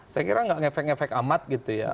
saya kira nggak ngefek ngefek amat gitu ya